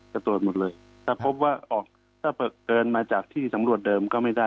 จะตรวจหมดเลยถ้าพบว่าออกถ้าเกินมาจากที่สำรวจเดิมก็ไม่ได้